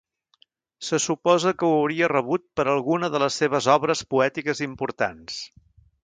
Se suposa que ho hauria rebut per alguna de les seves obres poètiques importants.